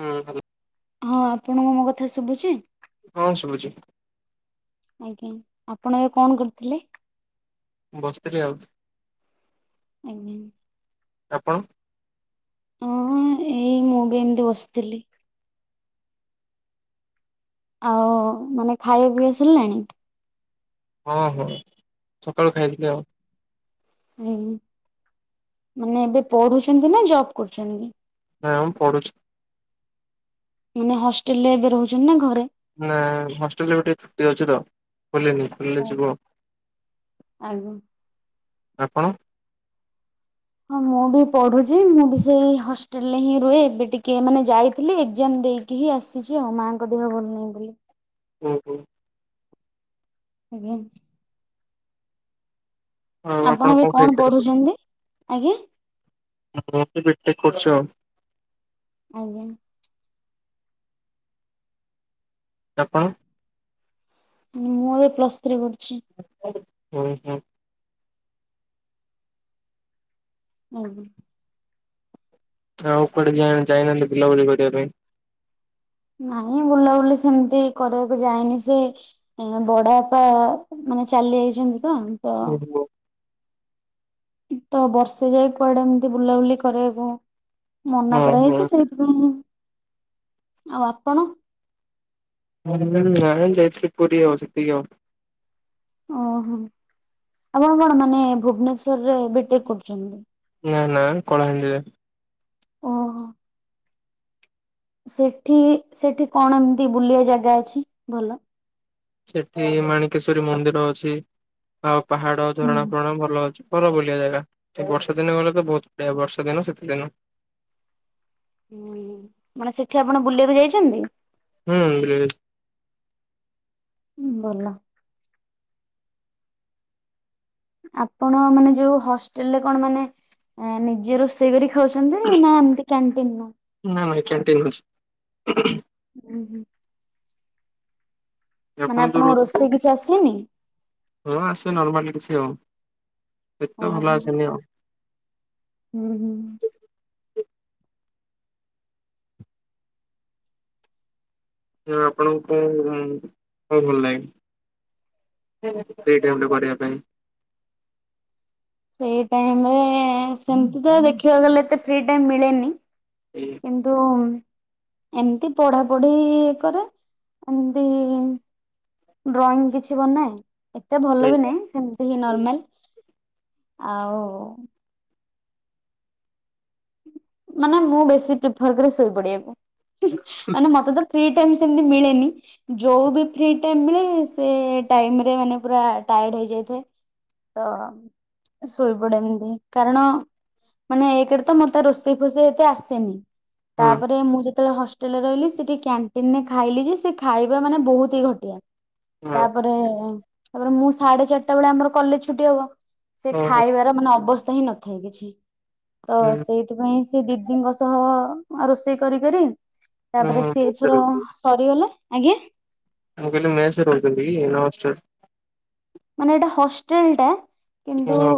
ହୁଁ ହୁଁ। ହଁ ଆପଣଙ୍କୁ ମୋ କଥା ଶୁଭୁଛି। ହଁ ଶୁଭୁଛି। ଆଜ୍ଞା ଆପଣ ଏବେ କଣ କରିଥିଲେ? ବସିଥିଲି ଆଉ। ଆଜ୍ଞା। ଆପଣ? ହୁଁ ଏଇ ମୁଁ ବି ଏମିତି ବସିଥିଲି। ଆଉ ମାନେ ଖାଇବା ପିଇବା ସରିଲାଣି। ହଁ ହଁ ସକାଳୁ ଖାଇଦେଇଥିଲି ଆଉ। ହୁଁ ମାନେ ଏବେ ପଢୁଛନ୍ତି ନା ଜବ୍ କରୁଛନ୍ତି? ନାଁ ମୁଁ ପଢୁଛି। ମାନେ ହଷ୍ଟେଲ୍ ରେ ଏବେ ରହୁଛନ୍ତି ନା ଘରେ? ନା ହଷ୍ଟେଲ୍ ରେ ଏବେ ଟିକେ ଛୁଟି ଅଛି ତ ବୁଲିନି। ଫ୍ରୀ ଅଛି କୁହ ଆଜ୍ଞା। ଆପଣ? ହଁ ମୁଁ ବି ପଢୁଛି ମୁଁ ବି ସେଇ ହ ହଷ୍ଟେଲ୍ ରେ ହିଁ ରୁହ ଏବେ ଟିକେ ମାନେ ଯାଇଥିଲି ଏକ୍ଜାମ୍ ଦେଇକି ହିଁ ଆସିଛି ଆଉ ମାଆ ଙ୍କ ଦେହ ଭଲ ନାହିଁ ବୋଲି। ହୁଁ ହୁଁ। ଆଜ୍ଞା। ଆଉ ଆପଣ ଏବେ କଣ ଖାଇଥିଲେ ସକାଳୁ? ପଢୁଛନ୍ତି ଆଜ୍ଞା? [unintelligible] ବିଟେକ୍ କରୁଛ। ଆଜ୍ଞା। ଆପଣ? ମୁଁ ଏବେ ପ୍ଲସ୍ ଥ୍ରୀ କରୁଛି। ହୁଁ ହୁଁ। ହୁଁ ହୁଁ। ଆଉ କୁଆଡ଼େ ଯାଇ ଯାଇନାହାନ୍ତି ବୁଲା ବୁଲି କରିବା ପାଇଁ। ନାଇଁ ବୁଲାବୁଲି ସେମିତି କରିବାକୁ ଯାଇନି ସେ ଏ ବଡ଼ ବାପା ମାନେ ଚାଲି ଯାଇଛନ୍ତି ତ [unintelligible] ତ ବର୍ଷେ ଯାଏ କୁଆଡ଼େ ଏମିତି ବୁଲାବୁଲି କରିବାକୁ ମନା ହଁ ହଁ। କରାହେଇଛି ସେଇ ହୁଁ ହୁଁ ଆଉ ଆପଣ? ନାହିଁ ଯାଇଥିଲି ପୁରୀ ଆଉ ସେତିକି ଆଉ। ଓହୋ ଆପଣ କଣ ମାନେ ଭୁବନେଶ୍ଵରରେ ବିଟେକ୍ କରୁଛନ୍ତି? ନାଁ ନାଁ କଳାହାଣ୍ଡି ରେ। ଓହୋ ସେଠି ସେଠି କଣ ଏମିତି ବୁଲିବା ଜାଗା ଅଛି ଭଲ? ସେଠି ମାଣିକେଶ୍ଵରୀ ମନ୍ଦିର ଅଛି ଆଉ ପାହାଡ଼ ହୁଁ। ଝରଣା ଫରଣା ଭଲ ଅଛି। ଭଲ ବୁଲିବା ଜାଗା ଏ ବର୍ଷା ଦିନ ଗଲେ ତ ବହୁତ୍ ବଢ଼ିଆ ବର୍ଷା ଦିନ, ଶୀତ ଦିନ ହୁଁ ମାନେ ସେଠି ଆପଣ ବୁଲିବାକୁ ଯାଇଛନ୍ତି? ହୁଁ ବୁଲିବାକୁ [unintelligible] ହୁଁ ଭଲ। ଆପଣ ମାନେ ଯଉ ହଷ୍ଟେଲରେ କଣ ମାନେ ନିଜେ ରୋଷେଇ କରି ଖାଉଛନ୍ତି ନା ଏମିତି କ୍ୟାଣ୍ଟିନ ନା ନାଇଁ କ୍ୟାଣ୍ଟିନ୍ ହଉଛି। ହୁଁ ହୁଁ। ମାନେ ଆପଣ ଯୋଉ ଆପଣଙ୍କୁ ରହୁଛନ୍ତି ରୋଷେଇ କିଛି ଆସେନି? ହଁ ଆସେ ନର୍ମାଲି କିଛି ଆଉ। ସେତେ ଭଲ ଓହୋ। ଆସେନି ଆଉ। ହୁଁ ହୁଁ। ଜଉ ଆପଣଙ୍କୁ କଁ ଭଲ ଲାଗେନି? ଫ୍ରି ଟାଇମରେ କରିବା ପାଇଁ? ଫି ଟାଇମରେ ସେମତି ତ ଦେଖିବାକୁ ଗଲେ ଏତେ ଫ୍ରି ଟାଇମ ମିଳେନି। କିନ୍ତୁ ଉ ଏମତି ପଢା ପଢି କରେ ଏମତି ଡ୍ରଇଂ କିଛି ବନାଏ ଏତେ ଭଲ ବି ନାଇଁ ସେମତି ହିଁ ନର୍ମାଲ ଆଉ। ମାନେ ମୁଁ ବେଶୀ ପ୍ରିଫର କରେ ଶୋଇ ପଡିିବାକୁ ଉ ହୁଁ ମାନେ ମତେ ତ ଫ୍ରି ଟାଇମ ସେମିତି ମିଳେନି ଯଉଁ ବି ଫ୍ରି ଟାଇମ ମିଳେ ସେ ଟାଇମ ରେ ମାନେ ପୁରା ଟାୟାର୍ଡ ହେଇଯାଇଥାଏ ତ ଶୋଇପଡେ ଏମତି କାରଣ ମାନେ ଏକେରେ ତ ମତେ ରୋସ ରୋଷେଇ ଫୋଷେଇ ଏତେ ଆସେନି ହଁ ତାପରେ ମୁଁ ଯେତେବେଳେ ହସ ହଷ୍ଟେଲରେ ରହିଲି ସେଠି କ୍ୟାଣ୍ଟିନରେ ଖାଇଲି ଯେ ସେ ଖାଇବା ମାନେ ବହୁତ ହି ଘଟିଆ ହଁ ତାପରେ ତାପରେ ମୁଁ ସାଢେ ଚାରିଟା ବେଳେ ଆମର କଲେଜ ଛୁଟି ହବ। ସେ ଓହୋ ଖାଇବାର ମାନେ ଅବସ୍ଥା ହିଁ ନଥାଏ କିଛି ତ ହୁଁ ସେଇ ସେଥିପାଇଁ ସେ ଦିଦିଙ୍କ ସହ ରୋଷେଇ କରି କରି ଓହୋ ତାପରେ ସିଏ ମେସରେ ଏଥର ରହୁଛନ୍ତି। ସରିଗଲେ ଆଜ୍ଞା। ମୁଁ କହିଲି ମେସରେ ରହୁଛନ୍ତିକି ନାଁ ହଷ୍ଟେଲ? ମାନେ ଏଟା ହଷ୍ଟେଲଟା କିନ୍ତୁ ଓହୋ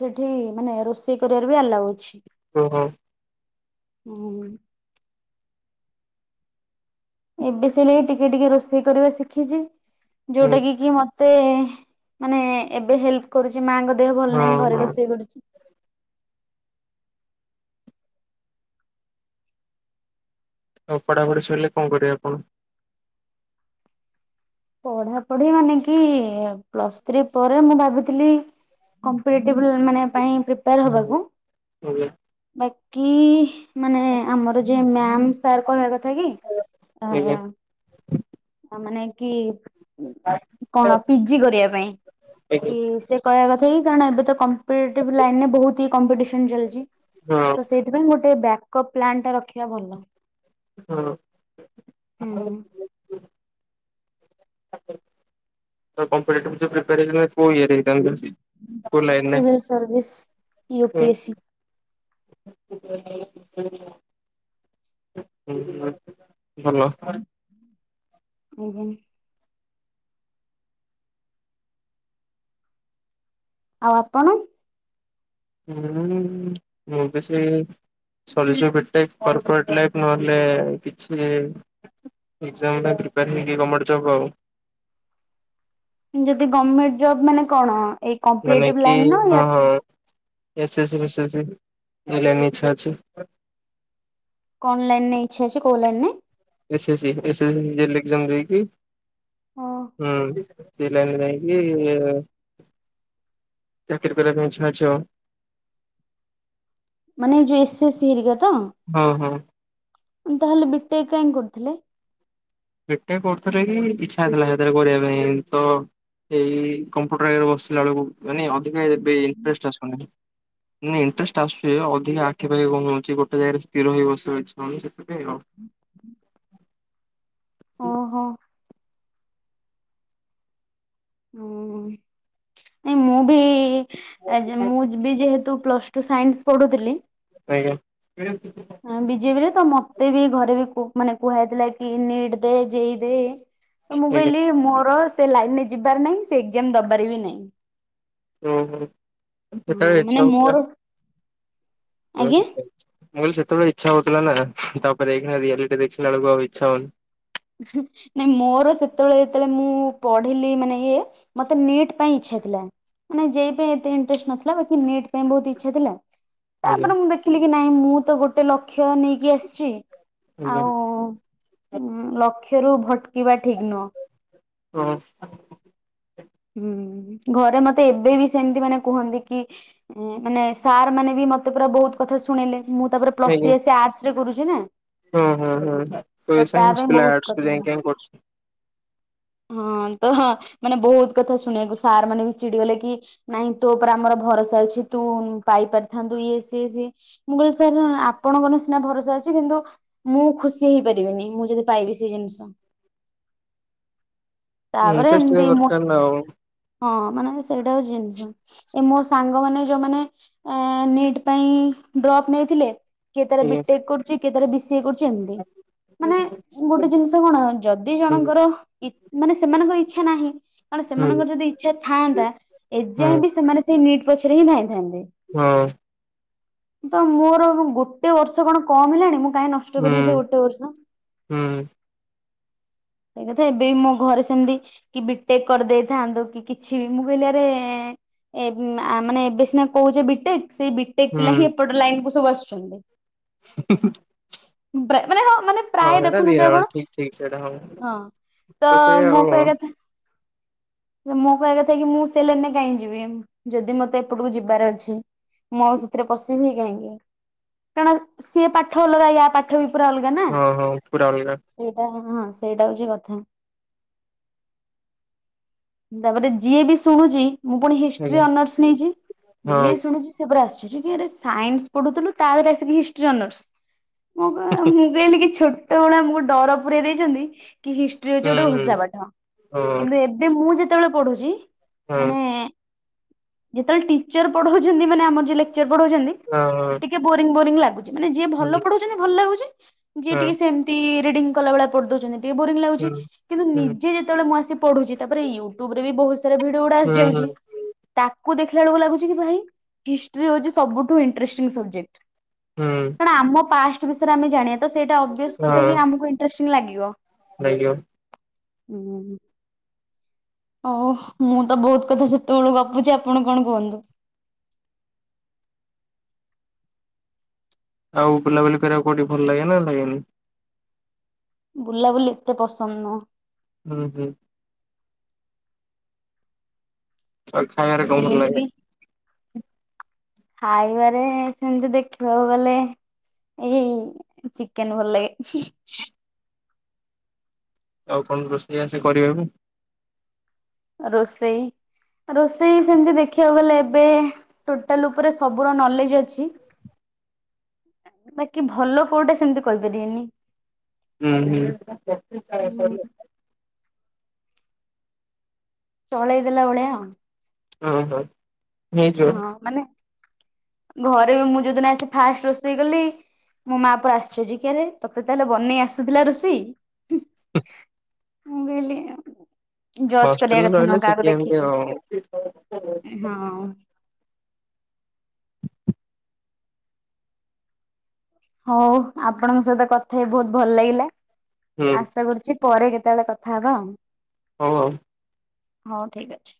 ସେଠି ମାନେ ରୋଷେଇ କରିବାର ବି ଆଲାଉ ଅଛି। ଓ ହୋ। ହୁଁ। ଏବେ ସେଲାଗି ଟିକେ ଟିକେ ରୋଷେଇ କରିବା ଶିଖିଛି ହୁଁ ଯୋଉଟା କି କି ମ ମତେ ମାନେ ଏବେ ହେଲ୍ପ କରୁଛି ମାଙ୍କ ଦେହ ଭଲ ହଁ ନାହିଁ ହଁ ଘରେ ରୋଷେଇ କରୁଛି। ଆଉ ପଢାପଢି ସଇଲେ କଣ କରିବେ ଆପଣ? ପଢା ପଢି ମାନେ କି ପ୍ଲସ ଥ୍ରୀ ପରେ ମୁଁ ଭାବିଥିଲି କମ୍ପ୍ଲିଟି ମାନେ ପାଇଁ ପ୍ରିପାର ହୁଁ ହବାକୁ ଆଜ୍ଞା ବାକି ମାନେ ଆମର ଜେ ମ୍ୟାମ ସାର୍ କହିବା କଥାକି ଅ ଆଜ୍ଞା ଆ ମାନେ କି କଣ ପିଜି କରିବା ପାଇଁ ଆଜ୍ଞା କି ସେ କହିବା କ କାରଣ ଏବେ ତ କମ୍ପ୍ଲିଟ ଲାଇନରେ ବହୁତହି କମ୍ପିଟେସନ ଚାଲିଛି ହଁ। ତ ସେଇ ସେଥିପାଇଁ ଗୋଟେ ବ୍ୟାକଅପ୍ ପ୍ଲାନ୍ଟା ରଖିବା ଭଲ। ହଁ। ହୁଁହୁଁ। ତୋ କମ୍ପିଟେଟିଭ ସବୁ ପ୍ରିପାରେସନ ହେଇକିନି ଅଛି। କୋଉ ଇଏରେ [inaudible] କଉ ସିଭିଲ୍ ସର୍ଭିସ୍ ୟୁ ଲାଇନରେ ପି ଏସ୍ ସି ହ ଭଲ। ଉହୁଁ। ଆଉ ଆପଣ? ହୁଁ ମୁଁ ବି ସେଇ ସଲ୍ୟୁସିଭ ବିଟେକ କର୍ପୋରେଟ ଲାଇଫ ନହେଲେ କିଛି ଏକ୍ସାମ ପାଇଁ ପ୍ରିପାର ହେଇକି ଗମେଣ୍ଟ ଜବ୍ ଆଉ। ଯଦି ଗର୍ମେଣ୍ଟ ଜବ୍ ମାନେ କଣ? ଏଇ ମାନେ କମ୍ପିଟେଟିବ୍ କି ଲାଇନ୍ ନା ହଁ ୟା ହଁ ଏସ୍ ସେ ସି, ବି ସେ ସି, ଏଇ ଲାଇନ୍ ରେ ଇଚ୍ଛା ଅଛି। କଣ ଲାଇନ୍ ରେ ଇଛା ଅଛି? କୋଉ ଲାଇନ୍ ରେ? ଏସ୍ ସେ ସି [unintelligible] ଏକ୍ଜାମ ଦେଇକି। ହୁଁ। ସେ ଲାଇନ୍ ରେ ଯାଇଙ୍କି ଚାକିରି କରିବା ପାଇଁ ଇଚ୍ଛା ଅଛି ଆଉ। ମାନେ ଯେ ଏସ୍ ସେ ସି ହେରିକା ତ? ହଁ ହଁ। ତାହେଲେ ବିଟେକ୍ କାହିଁକି କରୁଥିଲେ? ବିଟେକ୍ କରୁଥିଲେ କି ଇଚ୍ଛା ହେଇଥିଲା ସେଥିରେ କରିବା ପାଇଁ ତ ଏଇ କମ୍ପୁଟର ଆଗରେ ବସିଲା ବେଳକୁ ମାନେ ଅଧିକା ଏବେ ଇଣ୍ଟ୍ରେଷ୍ଟ ଆସୁନି। ନାଇଁ ଇଣ୍ଟ୍ରେଷ୍ଟ ଆସୁଛି। ଅଧିକା ଆଖି ପାଖି କଣ ହଉଛି ଗୋଟେ ଜାଗାରେ ସ୍ଥିର ହେଇ ବସି ରହି ସେଥିପାଇଁ ଆଉ। ହଁ ଓହୋ ହୁଁ। ନାଇ ମୁଁ ବି, ଆଜ୍ ମୁଁ ବି ଯେହେତୁ ପ୍ଲସ୍ ଟୁ ସାଇନ୍ସ ପଢ଼ୁଥିଲି ସେଥିପାଇଁ ହଁ ବିଜେପି ରେ ତ ମତେ ବି ଘରେ ବି ମାନେ କୁହାଯାଇଥିଲା କି ନିଟ୍ ଦେ, ଯେଇ ଦେ ତ ମୁଁ କହିଲି ମୋର ସେ ଲାଇନ୍ ରେ ଯିବାର ନାହିଁ, ସେ ଏକ୍ଜାମ ଦବାର ବି ଓହୋ ନାହିଁ। ହଁ ସେତେବେଳେ ଇଚ୍ଛା ମାନେ ହଉଥିଲା ମୋର ମୁଁ ଆଜ୍ଞା କହିଲି ସେତେବେଳେ ଇଚ୍ଛା ହଉଥିଲା ନା, ତାପରେ ଏଇ ଖିନା ରିଆଲିଟି ଦେଖିଲା ବେଳକୁ ଆଉ ଇଚ୍ଛା ହଉନି। ନାଇଁ ମୋର ସେତେବେଳେ ଯେତେବେଳେ ମୁଁ ପଢିଲି ମାନେ ଇଏ ମତେ ନିଟ୍ ପାଇଁ ଇଚ୍ଛା ଥିଲା। ମାନେ ଯେଇ ପାଇଁ ଏତେ ଇଣ୍ଟ୍ରେଷ୍ଟ ନଥିଲା, ବାକି ନିଟ୍ ପାଇଁ ବୋହୁତ୍ ଇଚ୍ଛା ଥିଲା। ଆଜ୍ଞା ତାପରେ ମୁଁ ଦେଖିଲି କି ନାଇଁ ମୁଁ ତ ଗୋଟେ ଲକ୍ଷ୍ୟ ନେଇକି ଆସିଛି, ଆଜ୍ଞା ଆଉ ହଁ ଲକ୍ଷ୍ୟ ରୁ ଭଟ୍ କିବା ଠିକ୍ ନୁହଁ। ହଁ। ହୁଁ ଘରେ ମତେ ଏବେ ବି ସେମତି ମାନେ କୁହନ୍ତି କି ମାନେ ସାର୍ ମାନେ ବି ମତେ ପୁରା ବୋହୁତ୍ କଥା ଶୁଣେଇଲେ। ମୁଁ ତାପରେ ପ୍ଲସ୍ ଆଜ୍ଞା ଥିୀ ଆସି ଆର୍ଟସ୍ ରେ କରୁଛି ନା ହଁ ହଁ ହଁ। ତ ତା ସାଇନ୍ସ ପାଇଁ ପିଲା ବହୁତ ଆର୍ଟସ୍ କୁ କଥା ଯାଇଁ କରୁଛୁ? ହଁ ତ ମାନେ ବୋହୁତ୍ କଥା ଶୁଣିବାକୁ ସାର୍ ମାନେ ବି ଚିଡି ଗଲେ କି ନାଇଁ ତୋ ଉପରେ ଆମର ଭରସା ଅଛି। ତୁ ପାଇ ପାରିଥାନ୍ତୁ, ଇଏ, ସିଏ, ସିଏ ମୁଁ କହି ସାର୍ ଆପଣଙ୍କ ମାନଙ୍କ ସିନା ଭରସା ଅଛି, କିନ୍ତୁ ମୁଁ ଖୁସି ହେଇପାରିବିନି। ମୁଁ ଯଦି ପାଇବି ସେ ଜିନ୍ସ। ତାପରେ ଏମିତି ମୋ ହଉ। ହଁ ମାନେ ସେଇଟା ହେଉଛି ଜିନ୍ସ। ଏ ମୋ ସାଙ୍ଗମାନେ ଯୋଉମାନେ ଏ ନିଟ୍ ପାଇଁ ଡ୍ରପ୍ ନେଇଥିଲେ କିଏ ତାର ବିଟେକ୍ କରୁଛି। କିଏ ତାର ବିସିଏ କରୁଛି। ଯେମିତି, ମାନେ ଗୋଟେ ଆଜ୍ଞା। ଜିନ୍ସ କଣ, ଯଦି ହୁଁ ଜଣଙ୍କର ଇ ମାନେ ସେମାନଙ୍କର ଇଚ୍ଛା ନାହିଁ। କାରଣ ହୁଁ ସେମାନଙ୍କର ଯଦି ଇଚ୍ଛା ଥାଆନ୍ତା ହଁ ଏଯାଏଁ ବି ସେମାନେ ସେ ନିଟ୍ ପଛରେ ହିଁ ଧାଇଁଥାନ୍ତେ। ହଁ। ତ ମୋର ଗୋଟେ ବର୍ଷ କଣ କମ୍ ହେଲାଣି। ମୁଁ, କାଇଁ ନ କଷ୍ଟ ହୁଁ କରିବି ସେ ଗୋଟେ ବର୍ଷ? ହୁଁ ଏଇ ନା ତ ଏବେ ବି ମୋ ଘରେ ସେମିତି କି ବି ଟେ କରିଦେଇଥାନ୍ତୁ, କି କିଛି ବି। ମୁଁ କହିଲି ଆରେ ଏ ମାନେ ଏବେ ସିନା କହୁଛେ ବିଟେକ୍, ସେଇ ବିଟେକ୍ ପିଲା ହୁଁ ହିଁ ଏପଟ ଲାଇନ୍ କୁ ସବୁ ଆସୁଛନ୍ତି। ହ [inaudible] ବ୍ରା ମାନେ ହଁ ମାନେ ପ୍ରାୟ ଦେଖୁନାହାନ୍ତି ଆପଣ? ଠିକ ଠିକ ସେଇଟା ହଁ। ତ ସେ ଆଉ ମୁଁ କହିବା ହଁ କଥା ମୋ କହିବା କଥାକି ମୁଁ ସେ ଲାଇନରେ କାହିଁ ଯିବି ଯଦି ମତେ ଏପଟକୁ ଯିବାର ଅଛି। ମୁଁ ଆଉ ସେଥିରେ ପଶିବି ହି କାହିଁକି କାରଣ ସିଏ ପାଠ ଅଲଗା ୟା ପାଠ ବି ପୁରା ଅଲଗା ନା। ହଁ ହଁ ପୁରା ଅଲଗା। ସେଇଟା ହଁ ସେଇଟା ହଉଛି କଥା। ତାପରେ ଯିଏ ବି ଶୁଣୁଛି ମୁଁ ଫୁଣି ହିଷ୍ଟ୍ରି ଆଜ୍ଞା ଅନର୍ସ ନେଇଛି ହଁ ଯିଏ ଶୁଣୁଛି ସେ ସେ ପୁରା ଆଶ୍ଚର୍ଯ୍ୟ କି ଆରେ ସାଇନ୍ସ ପଢୁଥିଲୁ ତା ଦେହରେ ଆସିକି ହିଷ୍ଟି ଅନର୍ସ [unintelligible] କହିଲି କି ଛୋଟବେଳେ ମ ଡର ପୁରେଇ ଦେଇଛନ୍ତି କି ହିସ୍ ହଉଛି ହୁଁ ଗୋଟେ ଘୁଷା ହୁଁ। ପାଠ ହଁ କିନ୍ତୁ ଏବେ ମୁଁ ଯେତେବେଳେ ପଢୁଛି ହଁ ମାନେ। ଯେତେବେଳେ ଟିଚର ପଢଉଛନ୍ତି ମାନେ ଆମର ଯଉ ଲେକ୍ଚର ପଢଉଛନ୍ତି ହଁ ଟିକେ ବୋରିଂ ବୋରିଂ ଲାଗୁଛି ମାନେ ଯିଏ ଭଲ ହୁଁ ପଢୁନ ଭଲ ଲାଗୁଛି ଯିଏ ହଁ ଟିକେ ସେ ଡି ରିଡିଙ୍ଗ କଲା ଭଳିଆ ପଢି ଦଉଛନ୍ତି ଟିକେ ବୋରିଂ ହୁଁ ଲାଗୁଛି ହୁଁ କିନ୍ତୁ ହୁଁ ନିଜେ ଯେତେବେଳେ ମୁଁ ଆସି ପଢୁଛି। ତାପରେ ୟୁଟ୍ୟୁବ ରେ ବି ବହୁତ ସାରା ଭିଡିଓ ଗୁଡା ହୁଁ ଆସିଯାଉଛି। ତାକୁ ଦେଖିଲା ବେଳକୁ ଲାଗୁଛି କି ଭାଇ ହିଷ୍ଟି ହଉଛି ସବୁଠୁ ଇଂଟରେଷ୍ଟିଙ୍ଗ ସବଜେକ୍ଟ। ହୁଁ କାରଣ ଆମ ପାଷ୍ଟ ବିଷୟରେ ଆମେ ଜାଣିବା ତ ସେଇଟା ଅବ୍ୟସ କଥା ହଁ କି ଆମକୁ ଇଂଟରେଷ୍ଟିଙ୍ଗ ଲାଗିବ। ଲାଗିବ। ହୁଁ। ହଉ ମୁଁ ତ ବହୁତ କଥା ସେତେବେଳୁ ଗପୁଛି ଆପଣ କଣ କୁହନ୍ତୁ। ଆଉ ବୁଲାବୁଲି କରିବାକୁ କଉଠି ଭଲ ଲାଗେ ନା ଲାଗେନି? ବୁଲାବୁଲି ଏତେ ପସନ୍ଦ ନୁହଁ। ହୁଁ ହୁଁ। ଆଉ ଖାଇବାର ଏମିତି ବି ଖାଇବାରେ ସେମିତି ଦେଖିବାକୁ ଗଲେ। ଏଇ ଚିକେନ ଭଲ ଲାଗେ। ସ ଆଉ କଣ ରୋଷେଇ ଆସେ କରିବାକୁ? ରୋଷେଇ। ରୋଷେଇ ସେମିତି ଦେଖିବାକୁ ଗଲେ ଏବେ ଟୋଟାଲ ଉପରେ ସବୁର ନଲେଜ ଅଛି। ବାକି ଭଲ କୋଉଟା ସେମିତି କହିପାରିବିନି। ହୁଁ ହୁଁ। ଚଳେଇ ଦେଲା ଭଳିଆ। ହଁ ହଁ। ହେଇଯିବ ହଁ ମାନେ ଘରେ ମୁଁ ଯଉଦିନ ଆସି ଫାଷ୍ଟ ରୋଷେଇ କଲି। ମୋ ମା ପରେ ଆଶ୍ଚର୍ଯ୍ୟ କି ଆରେ ତୋତେ ତାହେଲେ ବନେଇ ଆସୁଥିଲା ରୋଷେଇ। ହ ମୁଁ କହିଲି। ଜଜ୍ କରିବା ହଷ୍ଟେଲେରେ କଥା ରହିଲେ ନୁହଁ କାହାକୁ ଶିଖି ଏନ୍ତି ଦେଖିକି ଆଉ। ହଁ। ହଉ ଆପଣଙ୍କ ସହିତ କଥା ହେଇ ବହୁତ ଭଲ ଲାଗିଲା ହୁଁ ଆଶା କରୁଛି ପରେ କେତେବେଳେ କଥା ହବା ଆଉ। ହଉ ଆଉ। ହଉ ଠିକ ଅଛି।